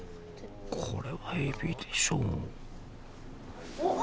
これはエビでしょうおっ？